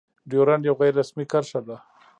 ډيورنډ يو غير رسمي کرښه ده.